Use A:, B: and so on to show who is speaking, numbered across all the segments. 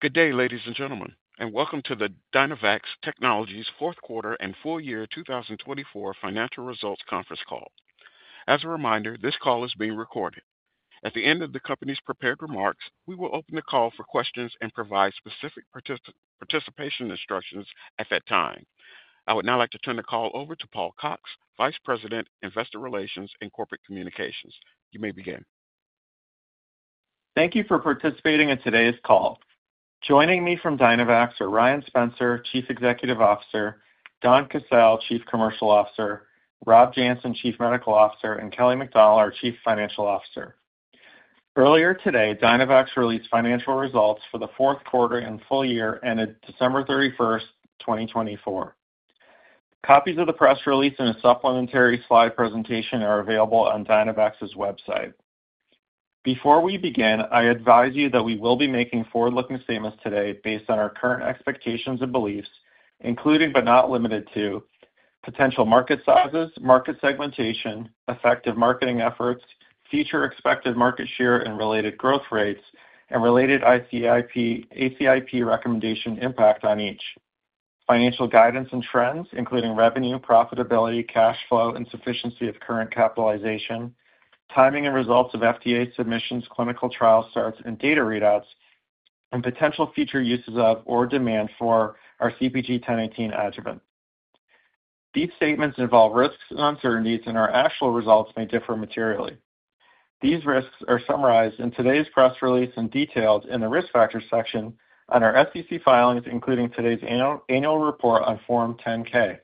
A: Good day, ladies, and gentlemen, and welcome to the Dynavax Technologies' Fourth Quarter and Full Year 2024 Financial Results Conference Call. As a reminder, this call is being recorded. At the end of the company's prepared remarks, we will open the call for questions and provide specific participation instructions at that time. I would now like to turn the call over to Paul Cox, Vice President, Investor Relations and Corporate Communications. You may begin.
B: Thank you for participating in today's call. Joining me from Dynavax are Ryan Spencer, Chief Executive Officer, Donn Casale, Chief Commercial Officer, Rob Janssen, Chief Medical Officer, and Kelly MacDonald, our Chief Financial Officer. Earlier today, Dynavax released financial results for the fourth quarter and full year ended December 31st, 2024. Copies of the press release and a supplementary slide presentation are available on Dynavax's website. Before we begin, I advise you that we will be making forward-looking statements today based on our current expectations and beliefs, including but not limited to potential market sizes, market segmentation, effective marketing efforts, future expected market share and related growth rates, and related ACIP recommendation impact on each. Financial guidance and trends, including revenue, profitability, cash flow, and sufficiency of current capitalization. Timing and results of FDA submissions, clinical trial starts, and data readouts. And potential future uses of or demand for our CpG 1018 adjuvant. These statements involve risks and uncertainties, and our actual results may differ materially. These risks are summarized in today's press release and detailed in the risk factor section on our SEC filings, including today's annual report on Form 10-K.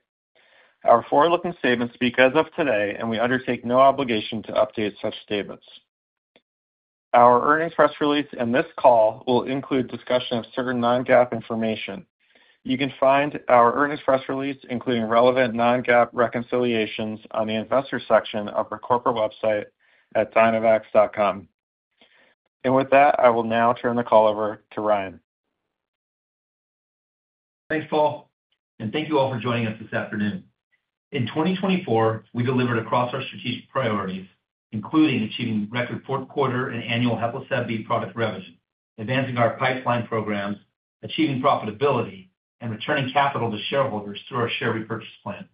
B: Our forward-looking statements speak as of today, and we undertake no obligation to update such statements. Our earnings press release and this call will include discussion of certain non-GAAP information. You can find our earnings press release, including relevant non-GAAP reconciliations, on the investor section of our corporate website at dynavax.com. And with that, I will now turn the call over to Ryan.
C: Thanks, Paul, and thank you all for joining us this afternoon. In 2024, we delivered across our strategic priorities, including achieving record fourth quarter and annual HEPLISAV-B product revenue, advancing our pipeline programs, achieving profitability, and returning capital to shareholders through our share repurchase plan.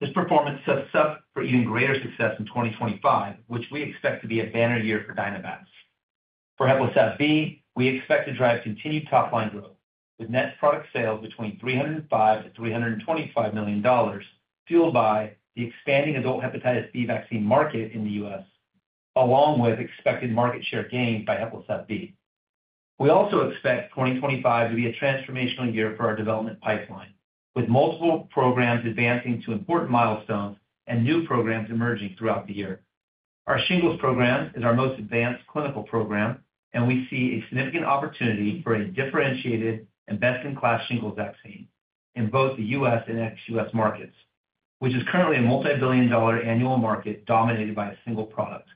C: This performance sets us up for even greater success in 2025, which we expect to be a banner year for Dynavax. For HEPLISAV-B, we expect to drive continued top-line growth with net product sales between $305 million-$325 million, fueled by the expanding adult hepatitis B vaccine market in the U.S., along with expected market share gain by HEPLISAV-B. We also expect 2025 to be a transformational year for our development pipeline, with multiple programs advancing to important milestones and new programs emerging throughout the year. Our shingles program is our most advanced clinical program, and we see a significant opportunity for a differentiated and best-in-class shingles vaccine in both the U.S. and ex-U.S. markets, which is currently a multi-billion-dollar annual market dominated by a single product.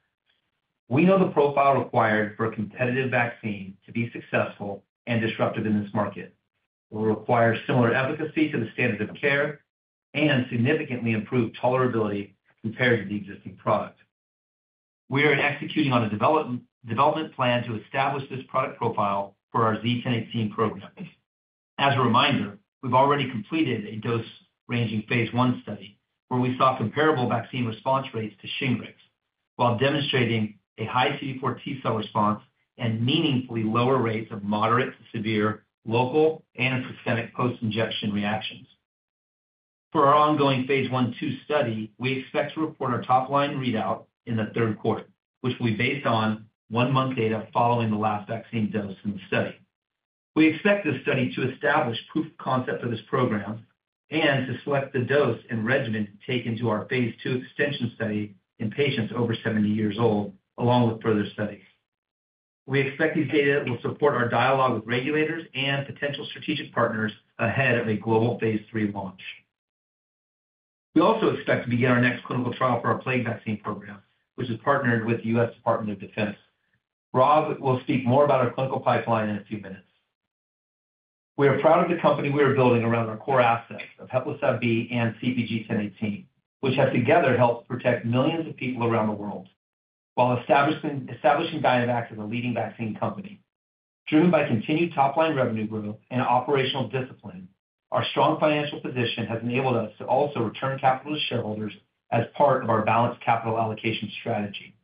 C: We know the profile required for a competitive vaccine to be successful and disruptive in this market will require similar efficacy to the standard of care and significantly improved tolerability compared to the existing product. We are executing on a development plan to establish this product profile for our Z-1018 program. As a reminder, we've already completed a dose-ranging phase one study where we saw comparable vaccine response rates to Shingrix while demonstrating a high CD4 T-cell response and meaningfully lower rates of moderate to severe local and systemic post-injection reactions. For our ongoing phase I/II study, we expect to report our top-line readout in the third quarter, which will be based on one-month data following the last vaccine dose in the study. We expect this study to establish proof of concept for this program and to select the dose and regimen to take into our phase II extension study in patients over 70 years old, along with further studies. We expect these data will support our dialogue with regulators and potential strategic partners ahead of a global phase III launch. We also expect to begin our next clinical trial for our plague vaccine program, which is partnered with the U.S. Department of Defense. Rob will speak more about our clinical pipeline in a few minutes. We are proud of the company we are building around our core assets of HEPLISAV-B and CpG 1018, which have together helped protect millions of people around the world while establishing Dynavax as a leading vaccine company. Driven by continued top-line revenue growth and operational discipline, our strong financial position has enabled us to also return capital to shareholders as part of our balanced capital allocation strategy.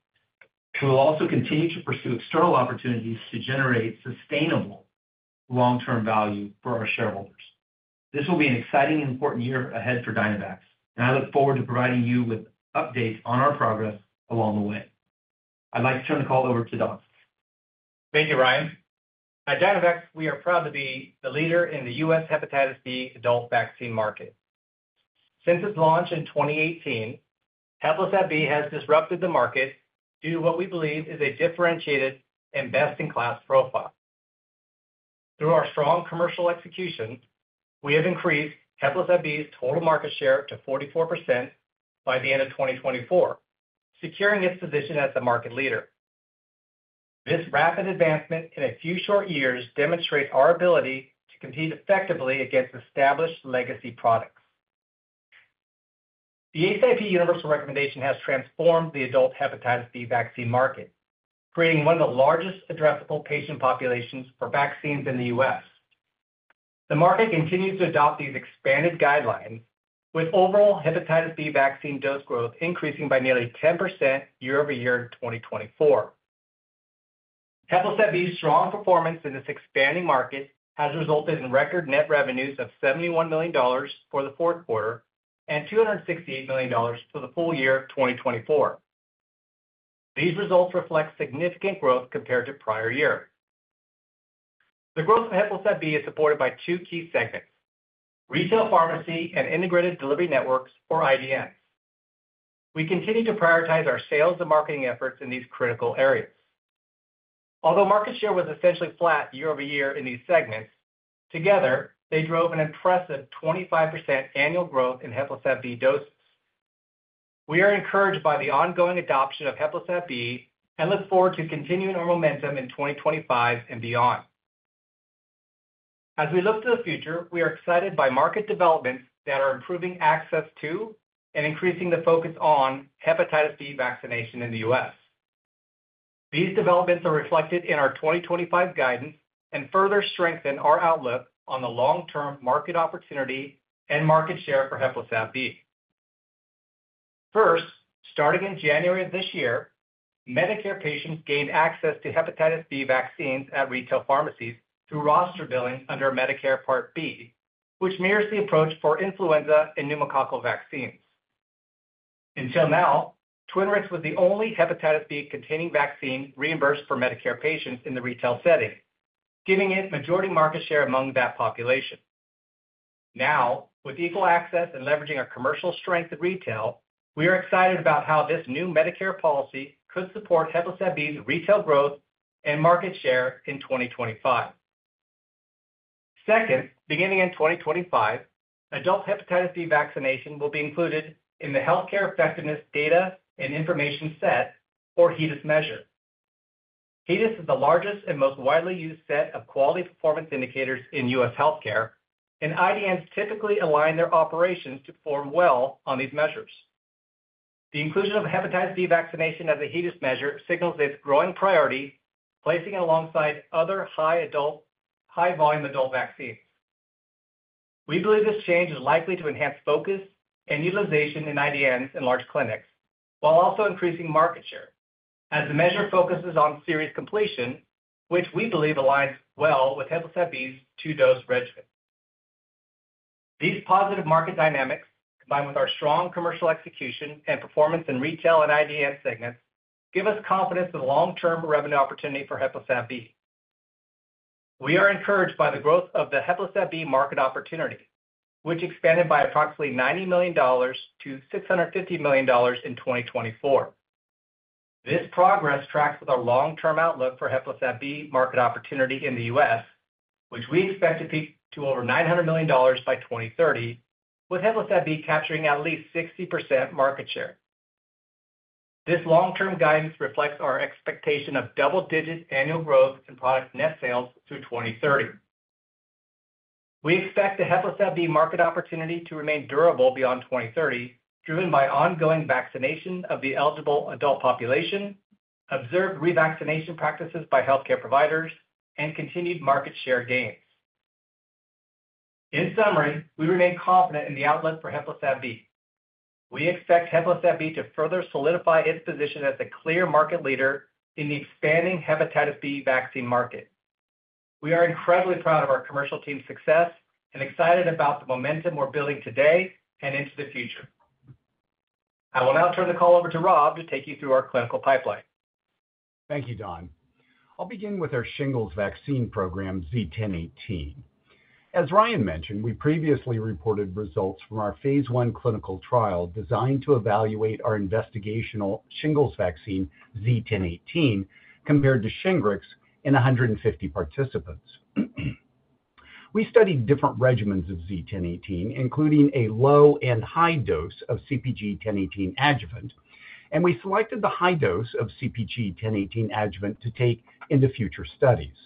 C: We will also continue to pursue external opportunities to generate sustainable long-term value for our shareholders. This will be an exciting and important year ahead for Dynavax, and I look forward to providing you with updates on our progress along the way. I'd like to turn the call over to Donn Casale.
D: Thank you, Ryan. At Dynavax, we are proud to be the leader in the U.S. hepatitis B adult vaccine market. Since its launch in 2018, HEPLISAV-B has disrupted the market due to what we believe is a differentiated and best-in-class profile. Through our strong commercial execution, we have increased HEPLISAV-B's total market share to 44% by the end of 2024, securing its position as the market leader. This rapid advancement in a few short years demonstrates our ability to compete effectively against established legacy products. The ACIP universal recommendation has transformed the adult hepatitis B vaccine market, creating one of the largest addressable patient populations for vaccines in the U.S. The market continues to adopt these expanded guidelines, with overall hepatitis B vaccine dose growth increasing by nearly 10% year-over-year in 2024. HEPLISAV-B's strong performance in this expanding market has resulted in record net revenues of $71 million for the fourth quarter and $268 million for the full year of 2024. These results reflect significant growth compared to prior years. The growth of HEPLISAV-B is supported by two key segments: retail pharmacy and integrated delivery networks, or IDNs. We continue to prioritize our sales and marketing efforts in these critical areas. Although market share was essentially flat year-over-year in these segments, together they drove an impressive 25% annual growth in HEPLISAV-B doses. We are encouraged by the ongoing adoption of HEPLISAV-B and look forward to continuing our momentum in 2025 and beyond. As we look to the future, we are excited by market developments that are improving access to and increasing the focus on hepatitis B vaccination in the U.S. These developments are reflected in our 2025 guidance and further strengthen our outlook on the long-term market opportunity and market share for HEPLISAV-B. First, starting in January of this year, Medicare patients gained access to hepatitis B vaccines at retail pharmacies through roster billing under Medicare Part B, which mirrors the approach for influenza and pneumococcal vaccines. Until now, Twinrix was the only hepatitis B-containing vaccine reimbursed for Medicare patients in the retail setting, giving it majority market share among that population. Now, with equal access and leveraging our commercial strength in retail, we are excited about how this new Medicare policy could support HEPLISAV-B's retail growth and market share in 2025. Second, beginning in 2025, adult hepatitis B vaccination will be included in the Healthcare Effectiveness Data and Information Set, or HEDIS, measure. HEDIS is the largest and most widely used set of quality performance indicators in U.S. healthcare, and IDNs typically align their operations to perform well on these measures. The inclusion of hepatitis B vaccination as a HEDIS measure signals its growing priority, placing it alongside other high-volume adult vaccines. We believe this change is likely to enhance focus and utilization in IDNs in large clinics, while also increasing market share as the measure focuses on series completion, which we believe aligns well with HEPLISAV-B's two-dose regimen. These positive market dynamics, combined with our strong commercial execution and performance in retail and IDN segments, give us confidence in the long-term revenue opportunity for HEPLISAV-B. We are encouraged by the growth of the HEPLISAV-B market opportunity, which expanded by approximately $90 million-$650 million in 2024. This progress tracks with our long-term outlook for HEPLISAV-B market opportunity in the U.S., which we expect to peak to over $900 million by 2030, with HEPLISAV-B capturing at least 60% market share. This long-term guidance reflects our expectation of double-digit annual growth in product net sales through 2030. We expect the HEPLISAV-B market opportunity to remain durable beyond 2030, driven by ongoing vaccination of the eligible adult population, observed revaccination practices by healthcare providers, and continued market share gains. In summary, we remain confident in the outlook for HEPLISAV-B. We expect HEPLISAV-B to further solidify its position as a clear market leader in the expanding hepatitis B vaccine market. We are incredibly proud of our commercial team's success and excited about the momentum we're building today and into the future. I will now turn the call over to Rob to take you through our clinical pipeline.
E: Thank you, Donn. I'll begin with our shingles vaccine program, Z-1018. As Ryan mentioned, we previously reported results from our phase I clinical trial designed to evaluate our investigational shingles vaccine, Z-1018, compared to Shingrix in 150 participants. We studied different regimens of Z-1018, including a low and high dose of CpG 1018 adjuvant, and we selected the high dose of CpG 1018 adjuvant to take into future studies.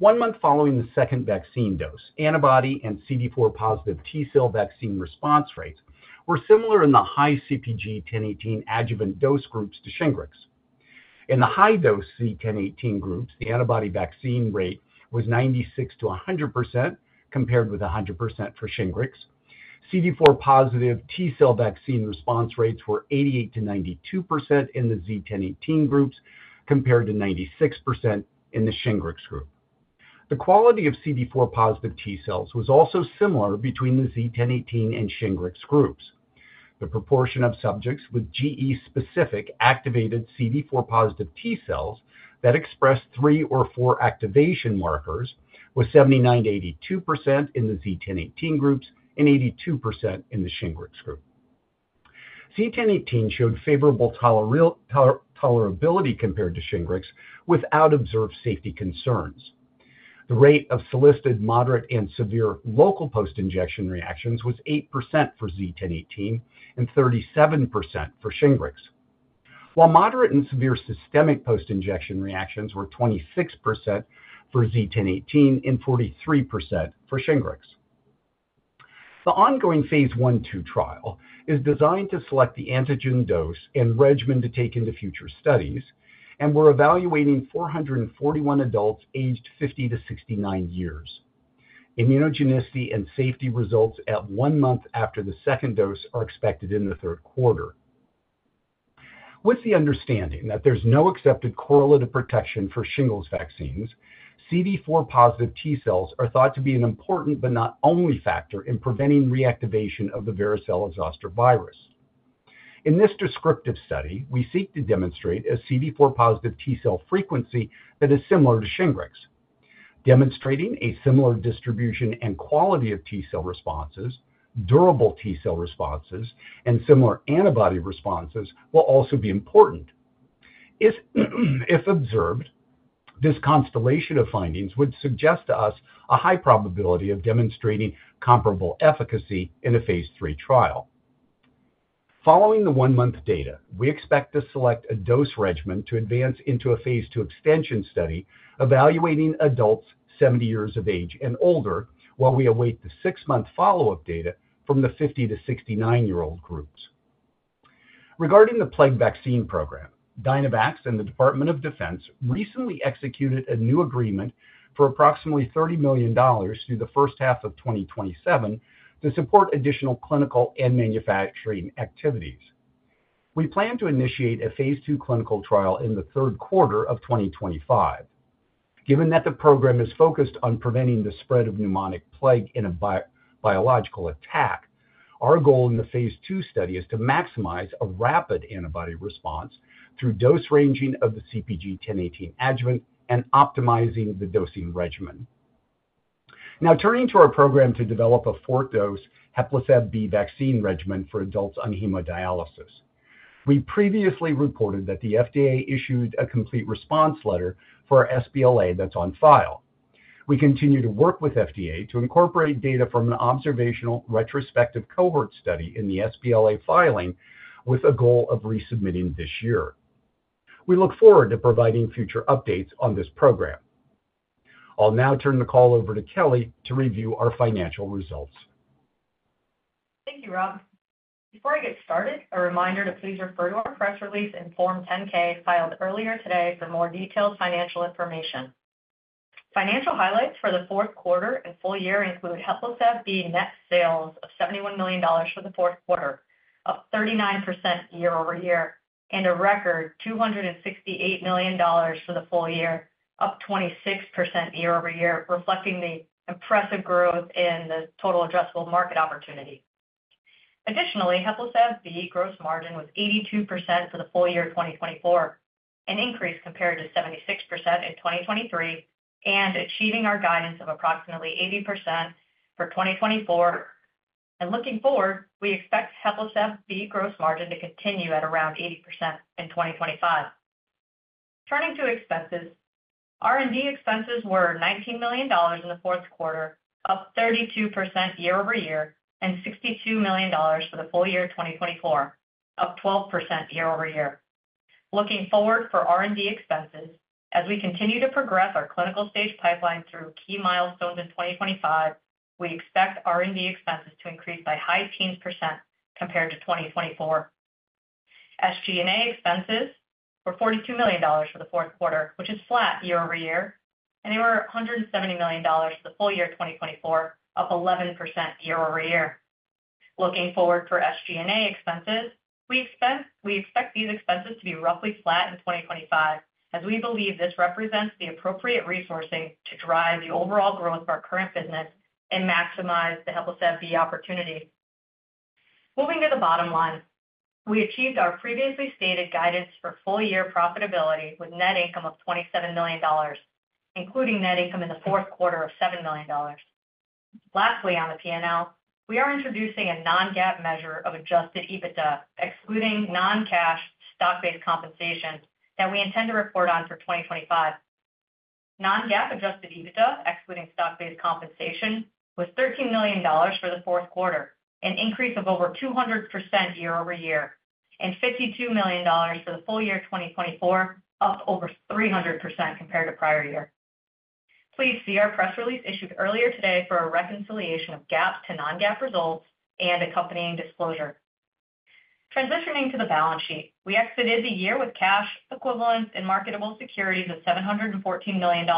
E: One month following the second vaccine dose, antibody and CD4-positive T-cell vaccine response rates were similar in the high CpG 1018 adjuvant dose groups to Shingrix. In the high dose Z-1018 groups, the antibody vaccine rate was 96%-100% compared with 100% for Shingrix. CD4-positive T-cell vaccine response rates were 88%-92% in the Z-1018 groups compared to 96% in the Shingrix group. The quality of CD4-positive T-cells was also similar between the Z-1018 and Shingrix groups. The proportion of subjects with gE-specific activated CD4-positive T-cells that expressed three or four activation markers was 79%-82% in the Z-1018 groups and 82% in the Shingrix group. Z-1018 showed favorable tolerability compared to Shingrix without observed safety concerns. The rate of solicited moderate and severe local post-injection reactions was 8% for Z-1018 and 37% for Shingrix, while moderate and severe systemic post-injection reactions were 26% for Z-1018 and 43% for Shingrix. The ongoing phase 1/2 trial is designed to select the antigen dose and regimen to take into future studies, and we're evaluating 441 adults aged 50-69 years. Immunogenicity and safety results at one month after the second dose are expected in the third quarter. With the understanding that there's no accepted correlative protection for shingles vaccines, CD4-positive T-cells are thought to be an important but not only factor in preventing reactivation of the varicella-zoster virus. In this descriptive study, we seek to demonstrate a CD4-positive T-cell frequency that is similar to Shingrix. Demonstrating a similar distribution and quality of T-cell responses, durable T-cell responses, and similar antibody responses will also be important. If observed, this constellation of findings would suggest to us a high probability of demonstrating comparable efficacy in a phase III trial. Following the one-month data, we expect to select a dose regimen to advance into a phase 2 extension study evaluating adults 70 years of age and older while we await the six-month follow-up data from the 50-69-year-old groups. Regarding the plague vaccine program, Dynavax and the Department of Defense recently executed a new agreement for approximately $30 million through the first half of 2027 to support additional clinical and manufacturing activities. We plan to initiate a phase two clinical trial in the third quarter of 2025. Given that the program is focused on preventing the spread of pneumonic plague in a biological attack, our goal in the phase two study is to maximize a rapid antibody response through dose ranging of the CpG 1018 adjuvant and optimizing the dosing regimen. Now turning to our program to develop a fourth dose HEPLISAV-B vaccine regimen for adults on hemodialysis. We previously reported that the FDA issued a complete response letter for our sBLA that's on file. We continue to work with FDA to incorporate data from an observational retrospective cohort study in the sBLA filing with a goal of resubmitting this year. We look forward to providing future updates on this program. I'll now turn the call over to Kelly to review our financial results.
F: Thank you, Rob. Before I get started, a reminder to please refer to our press release and Form 10-K filed earlier today for more detailed financial information. Financial highlights for the fourth quarter and full year include HEPLISAV-B net sales of $71 million for the fourth quarter, up 39% year-over-year, and a record $268 million for the full year, up 26% year-over-year, reflecting the impressive growth in the total addressable market opportunity. Additionally, HEPLISAV-B gross margin was 82% for the full year 2024, an increase compared to 76% in 2023, and achieving our guidance of approximately 80% for 2024. And looking forward, we expect HEPLISAV-B gross margin to continue at around 80% in 2025. Turning to expenses, R&D expenses were $19 million in the fourth quarter, up 32% year-over-year, and $62 million for the full year 2024, up 12% year-over-year. Looking forward for R&D expenses, as we continue to progress our clinical stage pipeline through key milestones in 2025, we expect R&D expenses to increase by 19% compared to 2024. SG&A expenses were $42 million for the fourth quarter, which is flat year-over-year, and they were $170 million for the full year 2024, up 11% year-over-year. Looking forward for SG&A expenses, we expect these expenses to be roughly flat in 2025, as we believe this represents the appropriate resourcing to drive the overall growth of our current business and maximize the HEPLISAV-B opportunity. Moving to the bottom line, we achieved our previously stated guidance for full year profitability with net income of $27 million, including net income in the fourth quarter of $7 million. Lastly, on the P&L, we are introducing a non-GAAP measure of Adjusted EBITDA, excluding non-cash stock-based compensation that we intend to report on for 2025. Non-GAAP Adjusted EBITDA, excluding stock-based compensation, was $13 million for the fourth quarter, an increase of over 200% year-over-year, and $52 million for the full year 2024, up over 300% compared to prior year. Please see our press release issued earlier today for a reconciliation of GAAP to non-GAAP results and accompanying disclosure. Transitioning to the balance sheet, we exited the year with cash equivalents and marketable securities of $714 million,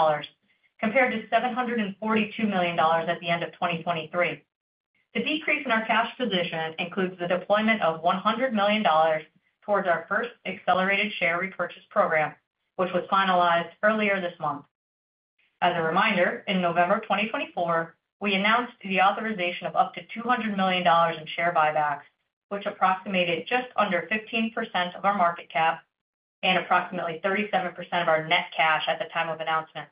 F: compared to $742 million at the end of 2023. The decrease in our cash position includes the deployment of $100 million towards our first accelerated share repurchase program, which was finalized earlier this month. As a reminder, in November 2024, we announced the authorization of up to $200 million in share buybacks, which approximated just under 15% of our market cap and approximately 37% of our net cash at the time of announcement.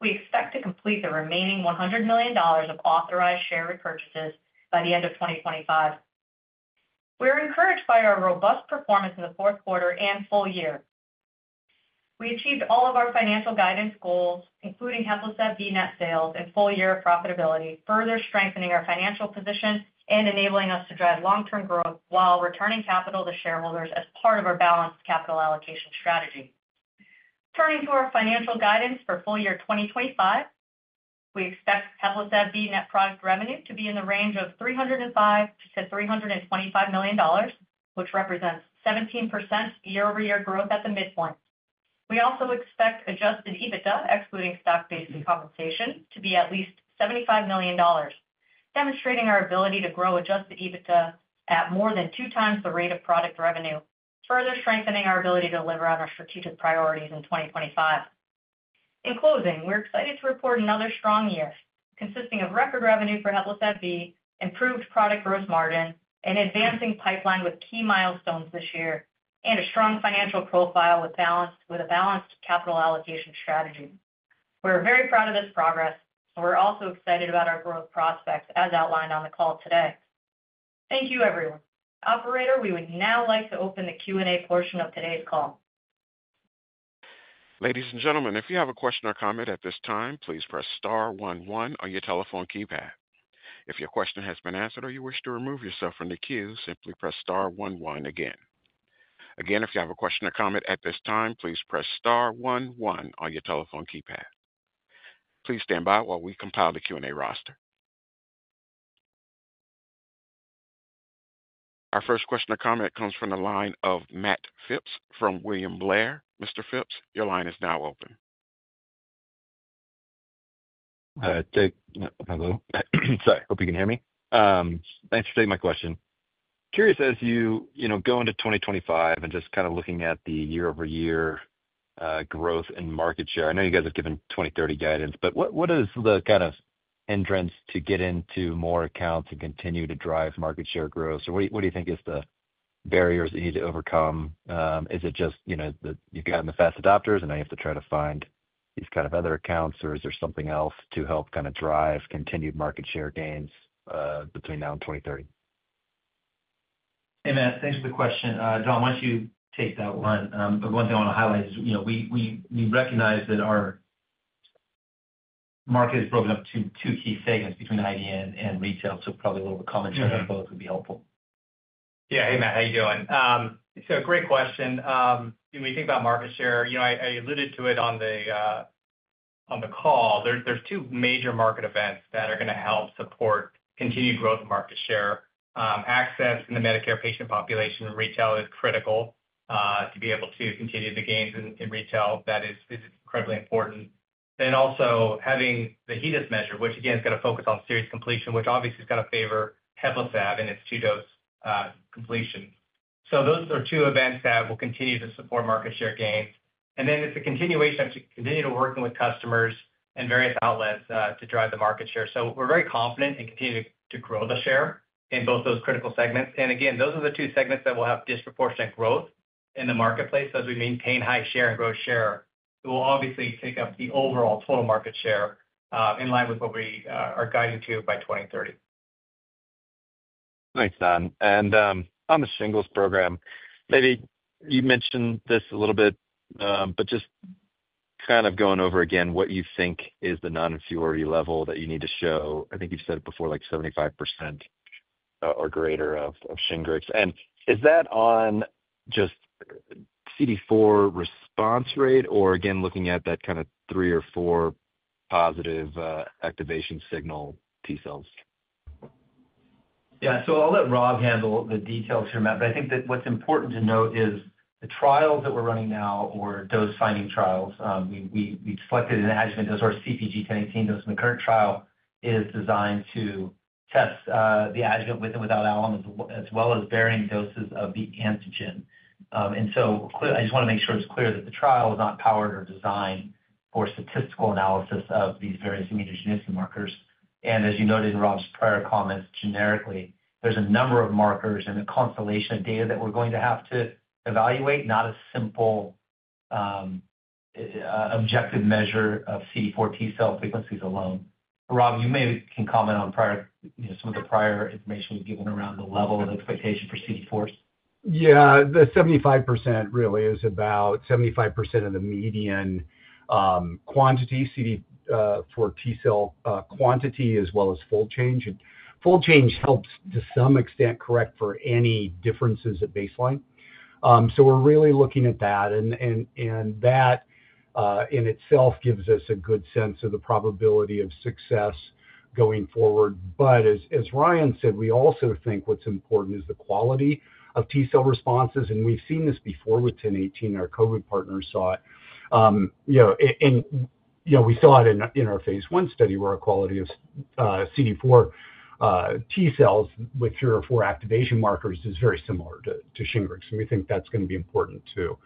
F: We expect to complete the remaining $100 million of authorized share repurchases by the end of 2025. We are encouraged by our robust performance in the fourth quarter and full year. We achieved all of our financial guidance goals, including HEPLISAV-B net sales and full year of profitability, further strengthening our financial position and enabling us to drive long-term growth while returning capital to shareholders as part of our balanced capital allocation strategy. Turning to our financial guidance for full year 2025, we expect HEPLISAV-B net product revenue to be in the range of $305 million-$325 million, which represents 17% year-over-year growth at the midpoint. We also expect adjusted EBITDA, excluding stock-based compensation, to be at least $75 million, demonstrating our ability to grow adjusted EBITDA at more than two times the rate of product revenue, further strengthening our ability to deliver on our strategic priorities in 2025. In closing, we're excited to report another strong year consisting of record revenue for HEPLISAV-B, improved product gross margin, an advancing pipeline with key milestones this year, and a strong financial profile with a balanced capital allocation strategy. We're very proud of this progress, and we're also excited about our growth prospects as outlined on the call today. Thank you, everyone. Operator, we would now like to open the Q&A portion of today's call.
A: Ladies, and gentlemen, if you have a question or comment at this time, please press star one-one on your telephone keypad. If your question has been answered or you wish to remove yourself from the queue, simply press star one-one again. Again, if you have a question or comment at this time, please press star one-one on your telephone keypad. Please stand by while we compile the Q&A roster. Our first question or comment comes from the line of Matt Phipps from William Blair. Mr. Phipps, your line is now open.
G: Hi. Hello. Sorry. Hope you can hear me. Thanks for taking my question. Curious, as you go into 2025 and just kind of looking at the year-over-year growth and market share, I know you guys have given 2030 guidance, but what is the kind of entrance to get into more accounts and continue to drive market share growth? So what do you think is the barriers that you need to overcome? Is it just that you've gotten the fast adopters and now you have to try to find these kind of other accounts, or is there something else to help kind of drive continued market share gains between now and 2030?
C: Hey, Matt. Thanks for the question. Donn, why don't you take that one? One thing I want to highlight is we recognize that our market is broken up into two key segments between IDN and retail, so probably a little commentary on both would be helpful.
D: Yeah. Hey, Matt. How are you doing? So great question. When we think about market share, I alluded to it on the call. There's two major market events that are going to help support continued growth of market share. Access in the Medicare patient population in retail is critical to be able to continue the gains in retail. That is incredibly important, and also having the HEDIS measure, which again is going to focus on series completion, which obviously is going to favor HEPLISAV-B and its two-dose completion. So those are two events that will continue to support market share gains, and then it's a continuation to continue to work with customers and various outlets to drive the market share. So we're very confident in continuing to grow the share in both those critical segments, and again, those are the two segments that will have disproportionate growth in the marketplace. As we maintain high share and growth share, it will obviously take up the overall total market share in line with what we are guiding to by 2030.
G: Thanks, Donn. And on the shingles program, maybe you mentioned this a little bit, but just kind of going over again what you think is the non-inferiority level that you need to show. I think you've said it before, like 75% or greater of Shingrix. And is that on just CD4 response rate or again, looking at that kind of three- or four-positive activation signal T-cells?
C: Yeah. So I'll let Rob handle the details here, Matt. But I think that what's important to note is the trials that we're running now or dose-finding trials. We selected an adjuvant dose or CpG 1018 dose. And the current trial is designed to test the adjuvant with and without alum, as well as varying doses of the antigen. And so I just want to make sure it's clear that the trial is not powered or designed for statistical analysis of these various immunogenicity markers. And as you noted in Rob's prior comments, generically, there's a number of markers and a constellation of data that we're going to have to evaluate, not a simple objective measure of CD4 T-cell frequencies alone. Rob, you maybe can comment on some of the prior information we've given around the level of expectation for CD4s.
E: Yeah. The 75% really is about 75% of the median quantity for T-cell quantity, as well as fold change. And fold change helps to some extent correct for any differences at baseline. So we're really looking at that. And that in itself gives us a good sense of the probability of success going forward. But as Ryan said, we also think what's important is the quality of T-cell responses. And we've seen this before with 1018. Our COVID partners saw it. And we saw it in our phase I study where our quality of CD4 T-cells with three or four activation markers is very similar to Shingrix. And we think that's going to be important too.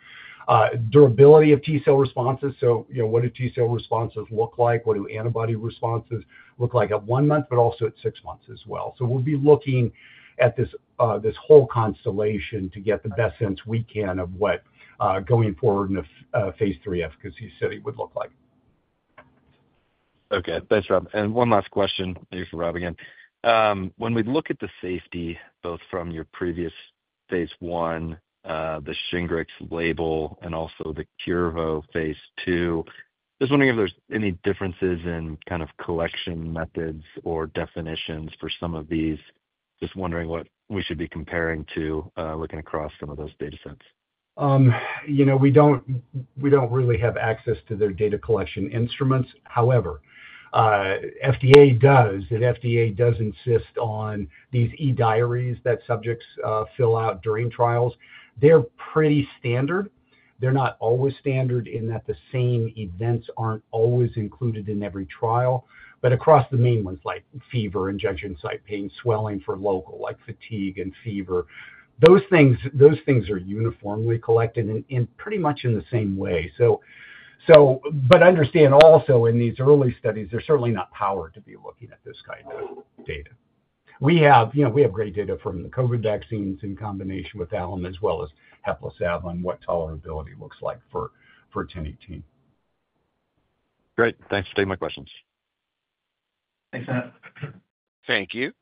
E: Durability of T-cell responses. So what do T-cell responses look like? What do antibody responses look like at one month, but also at six months as well? So we'll be looking at this whole constellation to get the best sense we can of what going forward in a phase III efficacy study would look like.
G: Okay. Thanks, Rob. And one last question for Rob again. When we look at the safety, both from your previous phase I, the Shingrix label, and also the curve of phase II, just wondering if there's any differences in kind of collection methods or definitions for some of these. Just wondering what we should be comparing to looking across some of those data sets.
E: We don't really have access to their data collection instruments. However, FDA does. And FDA does insist on these e-diaries that subjects fill out during trials. They're pretty standard. They're not always standard in that the same events aren't always included in every trial. But across the main ones, like fever, injection site pain, swelling for local, like fatigue and fever, those things are uniformly collected in pretty much the same way. But understand also in these early studies, they're certainly not powered to be looking at this kind of data. We have great data from the COVID vaccines in combination with alum, as well as HEPLISAV-B, what tolerability looks like for 1018.
G: Great. Thanks for taking my questions.
C: Thanks, Matt.
A: Thank you.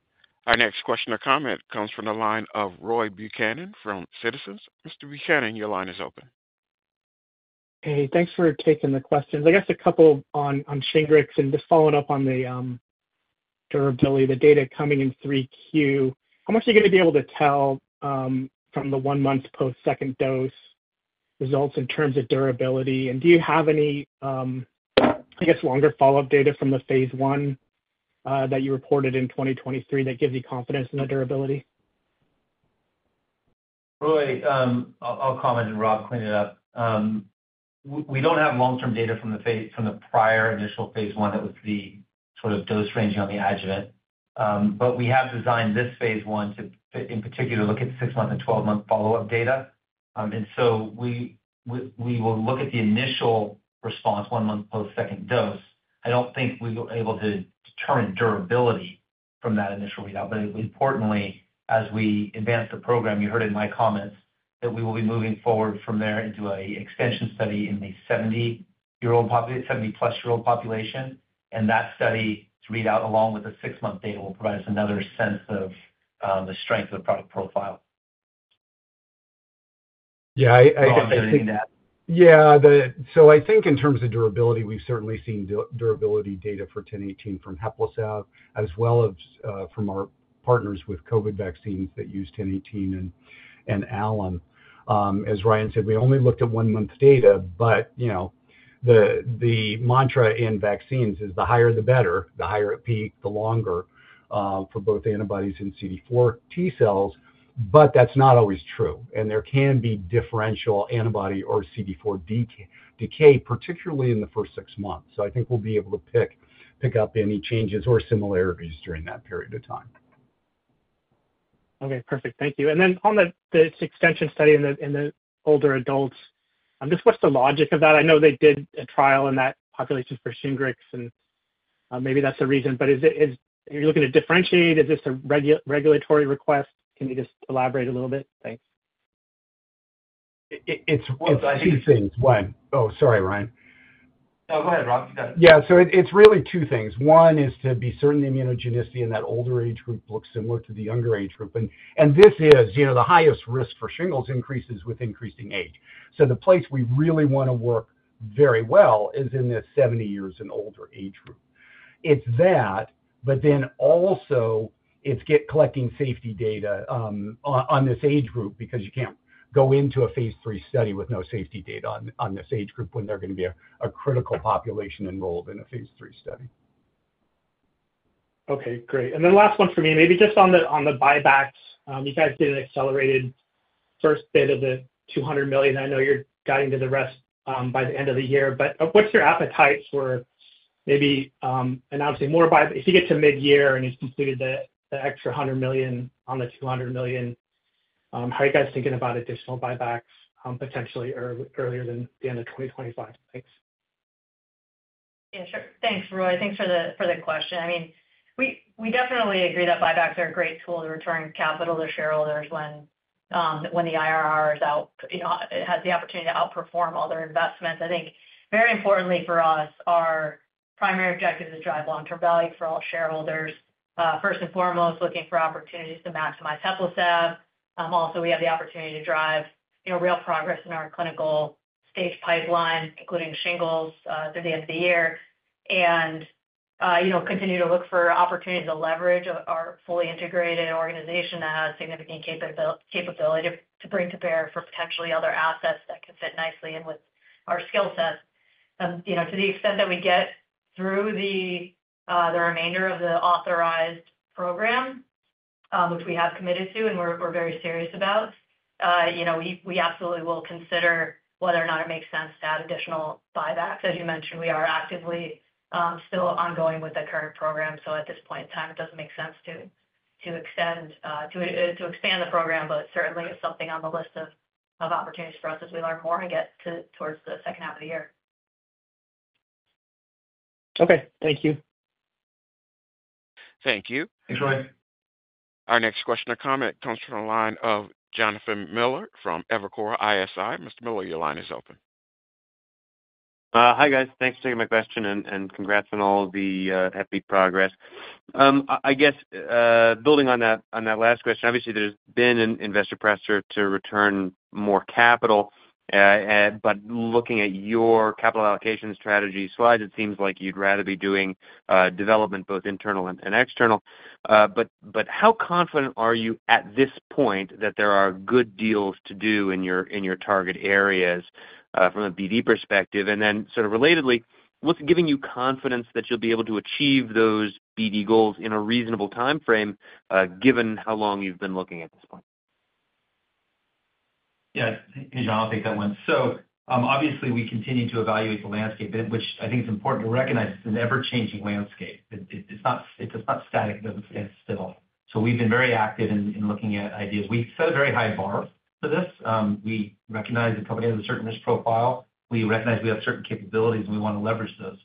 A: Our next question or comment comes from the line of Roy Buchanan from Citizens. Mr. Buchanan, your line is open.
H: Hey, thanks for taking the question. I guess a couple on Shingrix and just following up on the durability, the data coming in 3Q. How much are you going to be able to tell from the one-month post-second dose results in terms of durability? And do you have any, I guess, longer follow-up data from the phase I that you reported in 2023 that gives you confidence in the durability?
C: Roy, I'll comment and Rob clean it up. We don't have long-term data from the prior initial phase I that was the sort of dose ranging on the adjuvant, but we have designed this phase I to, in particular, look at six-month and 12-month follow-up data, and so we will look at the initial response, one-month post-second dose. I don't think we were able to determine durability from that initial readout, but importantly, as we advance the program, you heard in my comments that we will be moving forward from there into an extension study in the 70-plus-year-old population, and that study's readout, along with the six-month data, will provide us another sense of the strength of the product profile.
E: Yeah. I think. Yeah. So I think in terms of durability, we've certainly seen durability data for 1018 from HEPLISAV-B, as well as from our partners with COVID vaccines that use 1018 and alum. As Ryan said, we only looked at one-month data. But the mantra in vaccines is the higher, the better, the higher at peak, the longer for both antibodies and CD4 T-cells. But that's not always true. And there can be differential antibody or CD4 decay, particularly in the first six months. So I think we'll be able to pick up any changes or similarities during that period of time.
H: Okay. Perfect. Thank you. And then on this extension study in the older adults, just what's the logic of that? I know they did a trial in that population for Shingrix, and maybe that's the reason. But are you looking to differentiate? Is this a regulatory request? Can you just elaborate a little bit? Thanks.
E: It's two things. One. Oh, sorry, Ryan.
C: No, go ahead, Rob. You got it.
E: Yeah. So it's really two things. One is to be certain the immunogenicity in that older age group looks similar to the younger age group. And this is the highest risk for shingles increases with increasing age. So the place we really want to work very well is in this 70 years and older age group. It's that, but then also it's collecting safety data on this age group because you can't go into a phase III study with no safety data on this age group when they're going to be a critical population enrolled in a phase III study.
H: Okay. Great. And then last one for me, maybe just on the buybacks. You guys did an accelerated first bid of the $200 million. I know you're guiding to the rest by the end of the year. But what's your appetite for maybe announcing more buybacks? If you get to mid-year and you've completed the extra $100 million on the $200 million, how are you guys thinking about additional buybacks potentially earlier than the end of 2025? Thanks.
F: Yeah. Sure. Thanks, Roy. Thanks for the question. I mean, we definitely agree that buybacks are a great tool to return capital to shareholders when the IRR has the opportunity to outperform other investments. I think very importantly for us, our primary objective is to drive long-term value for all shareholders. First and foremost, looking for opportunities to maximize HEPLISAV-B. Also, we have the opportunity to drive real progress in our clinical stage pipeline, including shingles, through the end of the year and continue to look for opportunities to leverage our fully integrated organization that has significant capability to bring to bear for potentially other assets that can fit nicely in with our skill set. To the extent that we get through the remainder of the authorized program, which we have committed to and we're very serious about, we absolutely will consider whether or not it makes sense to add additional buybacks. As you mentioned, we are actively still ongoing with the current program. So at this point in time, it doesn't make sense to expand the program, but certainly it's something on the list of opportunities for us as we learn more and get towards the second half of the year.
H: Okay. Thank you.
A: Thank you.
C: Thanks, Roy.
A: Our next question or comment comes from the line of Jonathan Miller from Evercore ISI. Mr. Miller, your line is open.
I: Hi, guys. Thanks for taking my question and congrats on all the happy progress. I guess building on that last question, obviously, there's been an investor pressure to return more capital. But looking at your capital allocation strategy slides, it seems like you'd rather be doing development, both internal and external. But how confident are you at this point that there are good deals to do in your target areas from a BD perspective? And then sort of relatedly, what's giving you confidence that you'll be able to achieve those BD goals in a reasonable timeframe, given how long you've been looking at this point?
C: Yeah. Hey Johathan, I'll take that one. So obviously, we continue to evaluate the landscape, which I think it's important to recognize it's an ever-changing landscape. It's not static. It doesn't stand still. So we've been very active in looking at ideas. We set a very high bar for this. We recognize the company has a certain risk profile. We recognize we have certain capabilities, and we want to leverage those.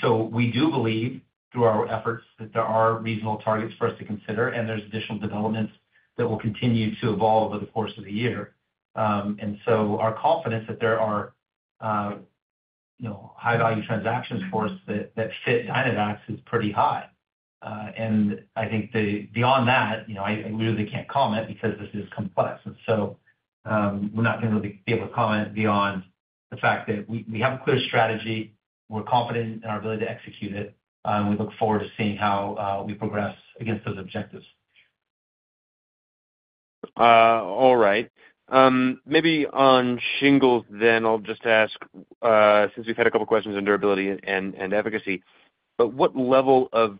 C: So we do believe through our efforts that there are reasonable targets for us to consider. And there's additional developments that will continue to evolve over the course of the year. And so our confidence that there are high-value transactions for us that fit Dynavax is pretty high. And I think beyond that, I really can't comment because this is complex. And so we're not going to really be able to comment beyond the fact that we have a clear strategy. We're confident in our ability to execute it. And we look forward to seeing how we progress against those objectives.
I: All right. Maybe on shingles then, I'll just ask, since we've had a couple of questions on durability and efficacy, but what level of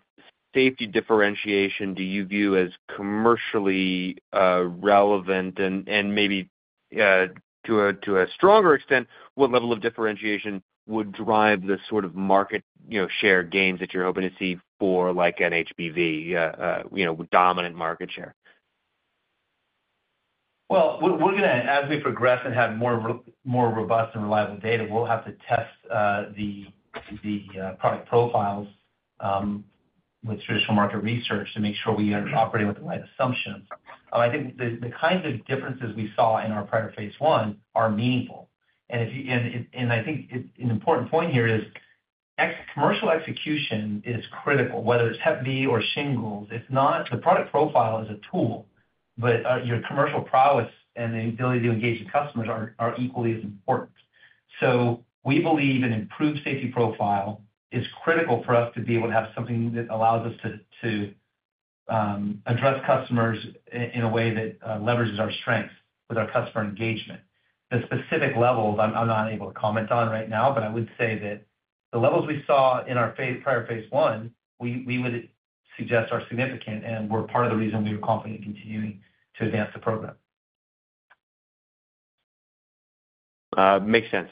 I: safety differentiation do you view as commercially relevant? And maybe to a stronger extent, what level of differentiation would drive the sort of market share gains that you're hoping to see for like an HBV, dominant market share?
C: We're going to, as we progress and have more robust and reliable data, we'll have to test the product profiles with traditional market research to make sure we are operating with the right assumptions. I think the kinds of differences we saw in our prior phase I are meaningful. I think an important point here is commercial execution is critical. Whether it's HEPLISAV or shingles, the product profile is a tool, but your commercial prowess and the ability to engage the customers are equally as important. We believe an improved safety profile is critical for us to be able to have something that allows us to address customers in a way that leverages our strengths with our customer engagement. The specific levels, I'm not able to comment on right now, but I would say that the levels we saw in our prior phase I, we would suggest are significant, and we're part of the reason we were confident in continuing to advance the program.
I: Makes sense.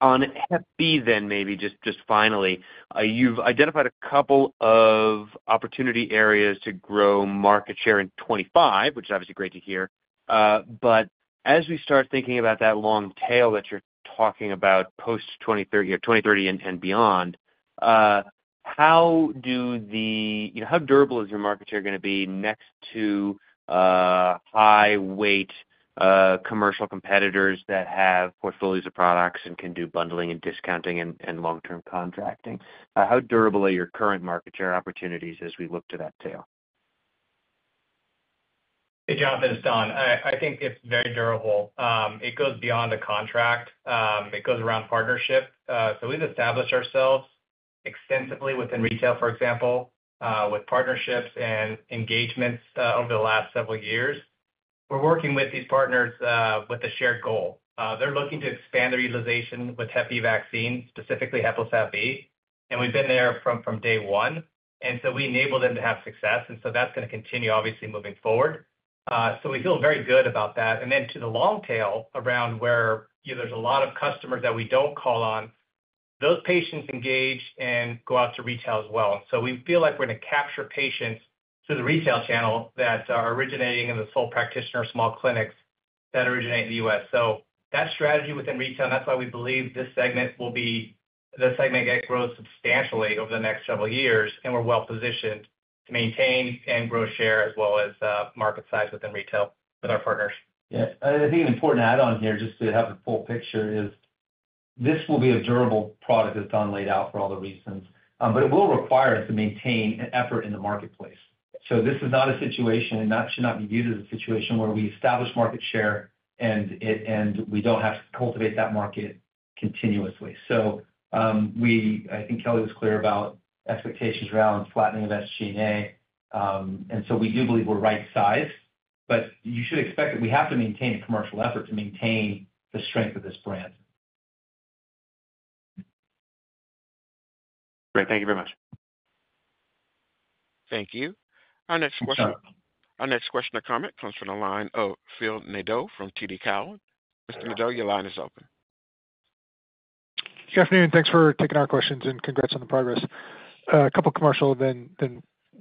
I: On HEPLISAV-B then, maybe just finally, you've identified a couple of opportunity areas to grow market share in 2025, which is obviously great to hear. But as we start thinking about that long tail that you're talking about post-2030 and beyond, how durable is your market share going to be next to high-weight commercial competitors that have portfolios of products and can do bundling and discounting and long-term contracting? How durable are your current market share opportunities as we look to that tail?
D: Hey, Jonathan, it's Donn. I think it's very durable. It goes beyond the contract. It goes around partnership. So we've established ourselves extensively within retail, for example, with partnerships and engagements over the last several years. We're working with these partners with a shared goal. They're looking to expand their utilization with HEPLISAV vaccines, specifically HEPLISAV-B. And we've been there from day one. And so we enabled them to have success. And so that's going to continue, obviously, moving forward. So we feel very good about that. And then to the long tail around where there's a lot of customers that we don't call on, those patients engage and go out to retail as well. And so we feel like we're going to capture patients through the retail channel that are originating in the sole practitioner small clinics that originate in the U.S. So that strategy within retail, and that's why we believe this segment will be the segment that grows substantially over the next several years. And we're well-positioned to maintain and grow share as well as market size within retail with our partners.
C: Yeah. And I think an important add-on here, just to have a full picture, is this will be a durable product that's been laid out for all the reasons. But it will require us to maintain an effort in the marketplace. So this is not a situation and should not be viewed as a situation where we establish market share and we don't have to cultivate that market continuously. So I think Kelly was clear about expectations around flattening of SG&A. And so we do believe we're right-sized. But you should expect that we have to maintain a commercial effort to maintain the strength of this brand.
I: Great. Thank you very much.
A: Thank you. Our next question or comment comes from the line of Phil Nadeau from TD Cowen. Mr. Nadeau, your line is open.
J: Good afternoon. Thanks for taking our questions and congrats on the progress. A couple of commercial, then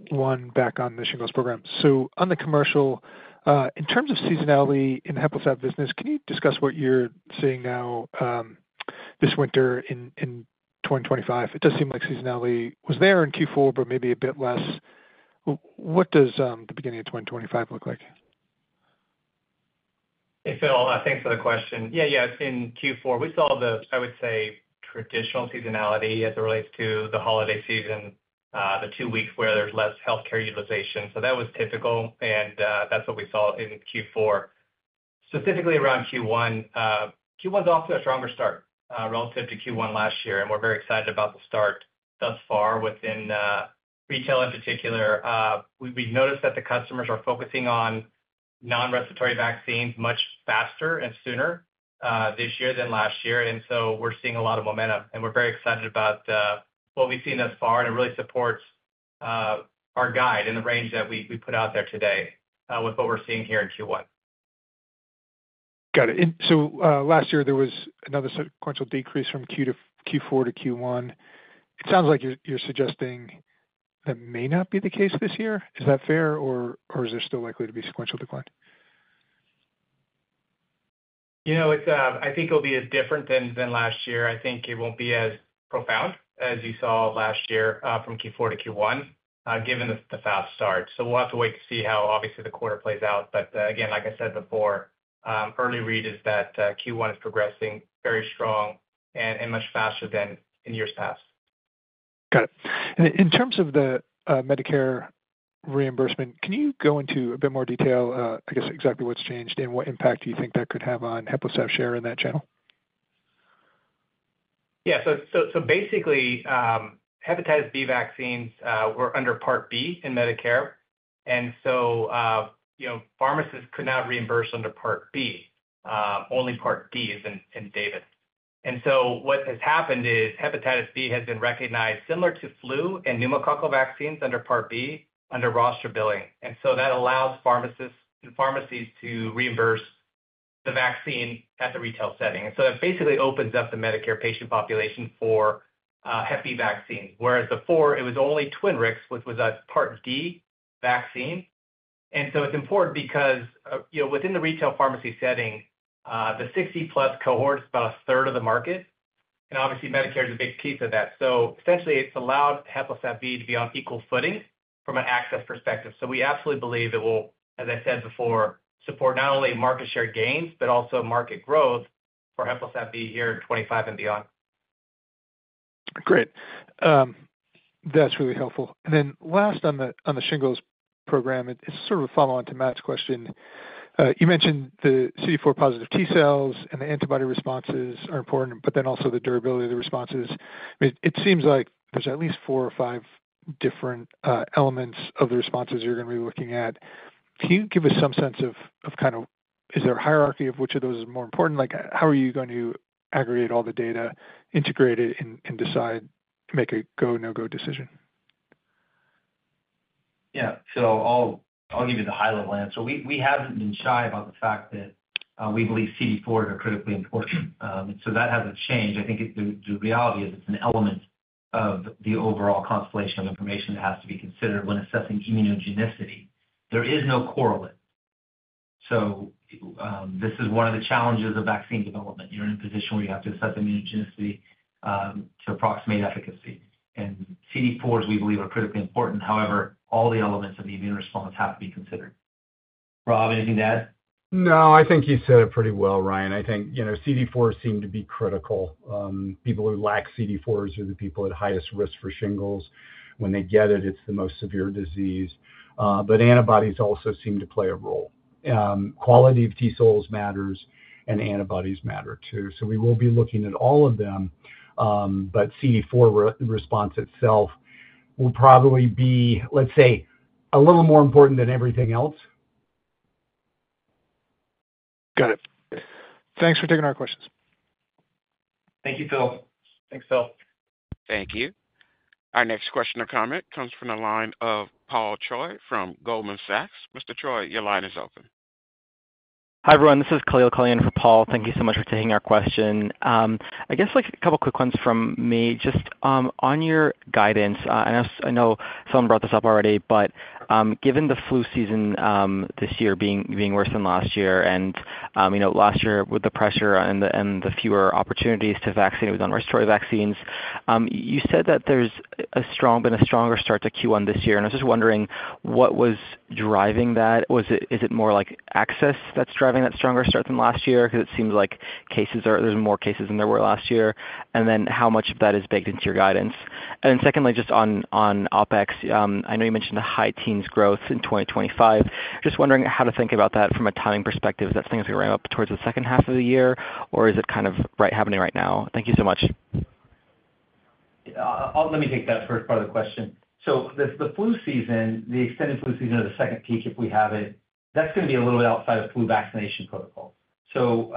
J: one back on the shingles program. So on the commercial, in terms of seasonality in the HEPLISAV-B business, can you discuss what you're seeing now this winter in 2025? It does seem like seasonality was there in Q4, but maybe a bit less. What does the beginning of 2025 look like?
D: Hey, Phil, thanks for the question. Yeah, yeah. In Q4, we saw the, I would say, traditional seasonality as it relates to the holiday season, the two weeks where there's less healthcare utilization. So that was typical. And that's what we saw in Q4. Specifically around Q1, Q1's off to a stronger start relative to Q1 last year. And we're very excited about the start thus far within retail in particular. We've noticed that the customers are focusing on non-respiratory vaccines much faster and sooner this year than last year. And so we're seeing a lot of momentum. And we're very excited about what we've seen thus far. And it really supports our guide in the range that we put out there today with what we're seeing here in Q1.
J: Got it, and so last year, there was another sequential decrease from Q4-Q1. It sounds like you're suggesting that may not be the case this year. Is that fair? Or is there still likely to be a sequential decline?
D: I think it'll be different than last year. I think it won't be as profound as you saw last year from Q4-Q1, given the fast start. So we'll have to wait to see how, obviously, the quarter plays out. But again, like I said before, early read is that Q1 is progressing very strong and much faster than in years past.
J: Got it. And in terms of the Medicare reimbursement, can you go into a bit more detail, I guess, exactly what's changed and what impact do you think that could have on HEPLISAV-B share in that channel?
D: Yeah. So basically, hepatitis B vaccines weren't under Medicare Part B. And so pharmacists could not reimburse under Part B. Only Part D was indicated. And so what has happened is hepatitis B has been recognized similar to flu and pneumococcal vaccines under Medicare Part B under roster billing. And so that allows pharmacists and pharmacies to reimburse the vaccine at the retail setting. And so that basically opens up the Medicare patient population for HEPLISAV-B vaccines. Whereas before, it was only Twinrix, which was a Part D vaccine. And so it's important because within the retail pharmacy setting, the 60+ cohort is about a third of the market. And obviously, Medicare is a big piece of that. So essentially, it's allowed HEPLISAV-B to be on equal footing from an access perspective. So we absolutely believe it will, as I said before, support not only market share gains, but also market growth for HEPLISAV-B here in 2025 and beyond.
J: Great. That's really helpful. And then last on the shingles program, it's sort of a follow-on to Matt's question. You mentioned the CD4-positive T cells and the antibody responses are important, but then also the durability of the responses. It seems like there's at least four or five different elements of the responses you're going to be looking at. Can you give us some sense of kind of is there a hierarchy of which of those is more important? How are you going to aggregate all the data, integrate it, and decide, make a go, no-go decision?
C: Yeah. So I'll give you the high-level answer. We haven't been shy about the fact that we believe CD4 are critically important. And so that hasn't changed. I think the reality is it's an element of the overall constellation of information that has to be considered when assessing immunogenicity. There is no correlate. So this is one of the challenges of vaccine development. You're in a position where you have to assess immunogenicity to approximate efficacy. And CD4s, we believe, are critically important. However, all the elements of the immune response have to be considered. Rob, anything to add?
E: No, I think you said it pretty well, Ryan. I think CD4s seem to be critical. People who lack CD4s are the people at highest risk for shingles. When they get it, it's the most severe disease. But antibodies also seem to play a role. Quality of T cells matters, and antibodies matter too. So we will be looking at all of them. But CD4 response itself will probably be, let's say, a little more important than everything else.
J: Got it. Thanks for taking our questions.
C: Thank you, Phil.
D: Thanks, Phil.
A: Thank you. Our next question or comment comes from the line of Paul Choi from Goldman Sachs. Mr. Choi, your line is open. Hi everyone. This is Kelli Callahan for Paul. Thank you so much for taking our question. I guess a couple of quick ones from me. Just on your guidance, and I know someone brought this up already, but given the flu season this year being worse than last year, and last year with the pressure and the fewer opportunities to vaccinate with non-respiratory vaccines, you said that there's been a stronger start to Q1 this year, and I was just wondering, what was driving that? Is it more like access that's driving that stronger start than last year? Because it seems like there's more cases than there were last year, and then how much of that is baked into your guidance? And then secondly, just on OPEX, I know you mentioned the high teens growth in 2025. Just wondering how to think about that from a timing perspective. Is that something that's going to ramp up towards the second half of the year? Or is it kind of happening right now? Thank you so much.
C: Let me take that first part of the question. So the flu season, the extended flu season of the second peak, if we have it, that's going to be a little bit outside of flu vaccination protocols. So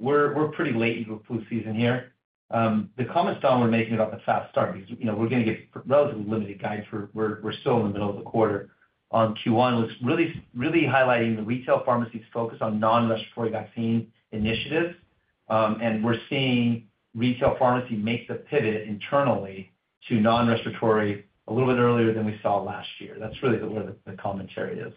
C: we're pretty late into the flu season here. The comments Donn was making about the fast start, because we're going to get relatively limited guidance. We're still in the middle of the quarter. On Q1, it was really highlighting the retail pharmacies' focus on non-respiratory vaccine initiatives. And we're seeing retail pharmacy make the pivot internally to non-respiratory a little bit earlier than we saw last year. That's really where the commentary is.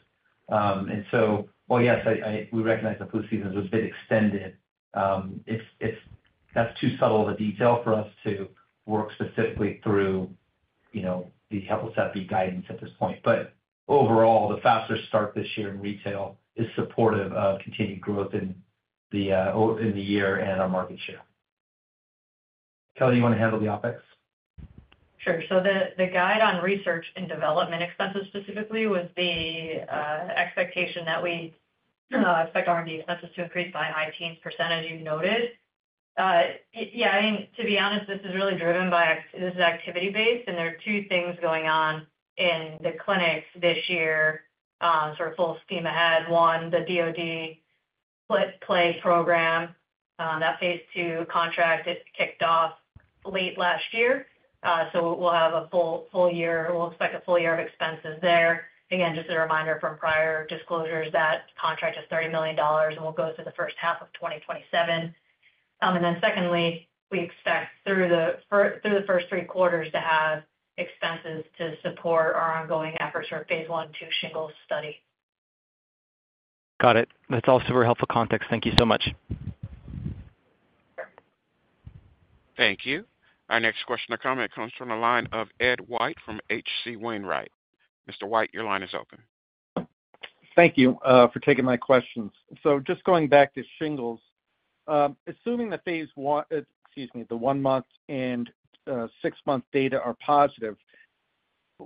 C: And so, well, yes, we recognize the flu season was a bit extended. That's too subtle of a detail for us to work specifically through the HEPLISAV-B guidance at this point. But overall, the faster start this year in retail is supportive of continued growth in the year and our market share. Kelly, you want to handle the OpEx?
F: Sure. So the guide on research and development expenses specifically was the expectation that we expect R&D expenses to increase by high teens %, as you noted. Yeah. I mean, to be honest, this is really driven by. This is activity-based, and there are two things going on in the clinics this year, sort of full steam ahead. One, the DOD plague program. That phase II contract, it kicked off late last year. So we'll have a full year. We'll expect a full year of expenses there. Again, just a reminder from prior disclosures, that contract is $30 million, and we'll go through the first half of 2027, and then secondly, we expect through the first three quarters to have expenses to support our ongoing efforts for phase I and II shingles study. Got it. That's all super helpful context. Thank you so much.
A: Thank you. Our next question or comment comes from the line of Ed White from H.C. Wainwright. Mr. White, your line is open.
K: Thank you for taking my questions. So just going back to shingles, assuming the phase I, excuse me, the one-month and six-month data are positive,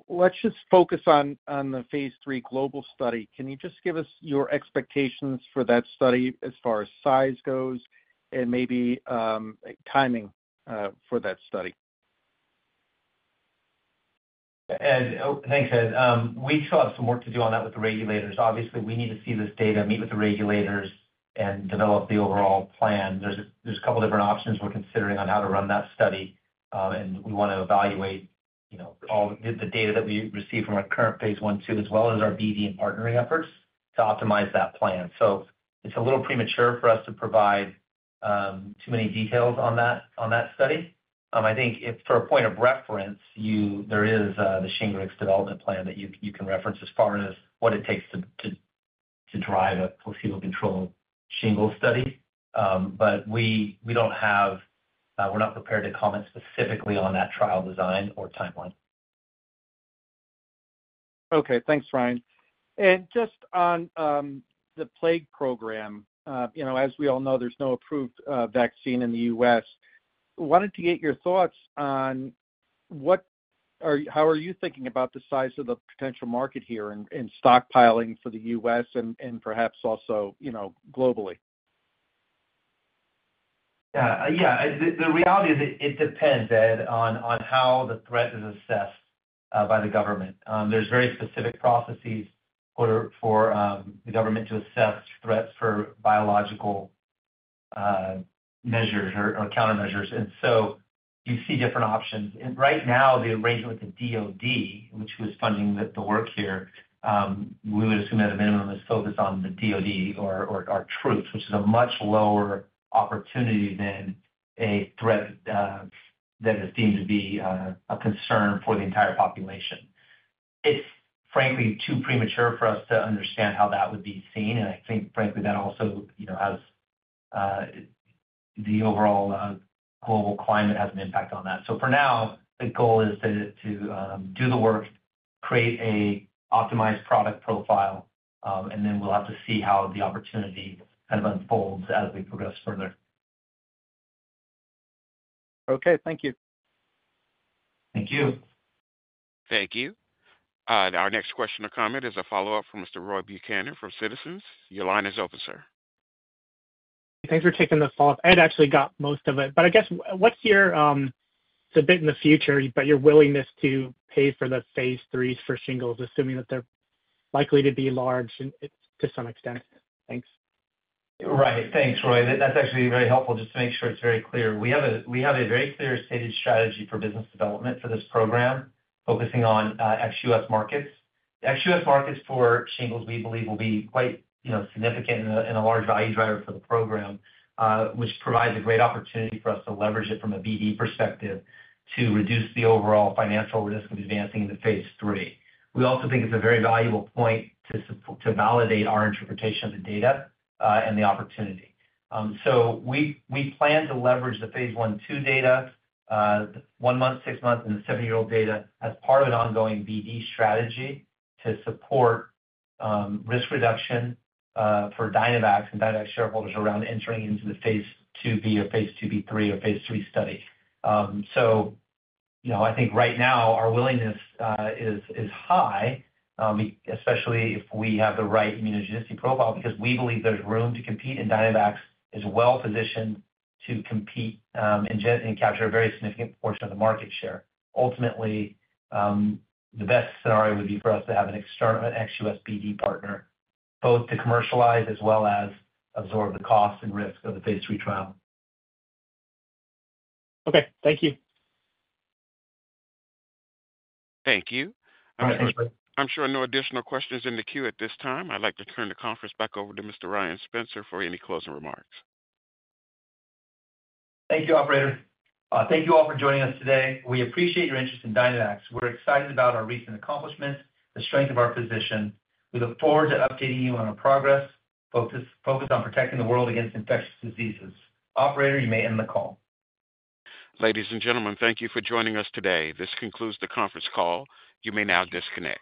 K: let's just focus on the phase III global study. Can you just give us your expectations for that study as far as size goes and maybe timing for that study?
C: Ed, thanks, Ed. We still have some work to do on that with the regulators. Obviously, we need to see this data, meet with the regulators, and develop the overall plan. There's a couple of different options we're considering on how to run that study and we want to evaluate all the data that we receive from our current phase I and II, as well as our BD and partnering efforts to optimize that plan so it's a little premature for us to provide too many details on that study. I think for a point of reference, there is the Shingrix development plan that you can reference as far as what it takes to drive a placebo-controlled shingles study but we're not prepared to comment specifically on that trial design or timeline.
K: Okay. Thanks, Ryan. And just on the plague program, as we all know, there's no approved vaccine in the U.S. I wanted to get your thoughts on how are you thinking about the size of the potential market here and stockpiling for the U.S. and perhaps also globally?
C: Yeah. Yeah. The reality is it depends, Ed, on how the threat is assessed by the government. There's very specific processes for the government to assess threats for biological measures or countermeasures. And so you see different options. Right now, the arrangement with the DOD, which was funding the work here, we would assume at a minimum is focused on the DOD or our troops, which is a much lower opportunity than a threat that is deemed to be a concern for the entire population. It's frankly too premature for us to understand how that would be seen. And I think, frankly, that also the overall global climate has an impact on that. So for now, the goal is to do the work, create an optimized product profile, and then we'll have to see how the opportunity kind of unfolds as we progress further.
K: Okay. Thank you.
C: Thank you.
A: Thank you. Our next question or comment is a follow-up from Mr. Roy Buchanan from Citizens JMP. Your line is open, sir.
H: Thanks for taking my question. Ed actually got most of it. But I guess it's a bit in the future, but your willingness to pay for the phase III for shingles, assuming that they're likely to be large to some extent. Thanks.
C: Right. Thanks, Roy. That's actually very helpful just to make sure it's very clear. We have a very clear stated strategy for business development for this program, focusing on ex-U.S. markets. ex-U.S. markets for shingles, we believe, will be quite significant and a large value driver for the program, which provides a great opportunity for us to leverage it from a BD perspective to reduce the overall financial risk of advancing into phase III. We also think it's a very valuable point to validate our interpretation of the data and the opportunity. So we plan to leverage the phase I and II data, the one-month, six-month, and the seven-year data as part of an ongoing BD strategy to support risk reduction for Dynavax and Dynavax shareholders around entering into the phase IIb or phase IIb/III or phase III study. I think right now our willingness is high, especially if we have the right immunogenicity profile, because we believe there's room to compete and Dynavax is well positioned to compete and capture a very significant portion of the market share. Ultimately, the best scenario would be for us to have an ex-U.S. BD partner, both to commercialize as well as absorb the cost and risk of the phase III trial.
H: Okay. Thank you.
A: Thank you. I'm sure no additional questions in the queue at this time. I'd like to turn the conference back over to Mr. Ryan Spencer for any closing remarks.
C: Thank you, Operator. Thank you all for joining us today. We appreciate your interest in Dynavax. We're excited about our recent accomplishments, the strength of our position. We look forward to updating you on our progress, focused on protecting the world against infectious diseases. Operator, you may end the call.
A: Ladies and gentlemen, thank you for joining us today. This concludes the conference call. You may now disconnect.